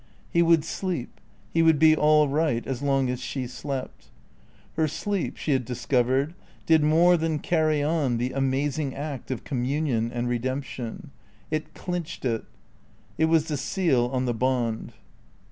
He would sleep; he would be all right as long as she slept. Her sleep, she had discovered, did more than carry on the amazing act of communion and redemption. It clinched it. It was the seal on the bond.